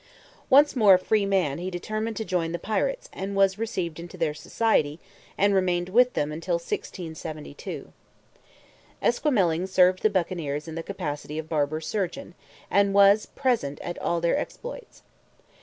Once more a free man he determined to join the pirates and was received into their society and remained with them until 1672. Esquemeling served the Buccaneers in the capacity of barber surgeon, and was present at all their exploits.